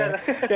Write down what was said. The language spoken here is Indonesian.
ya itu dia benar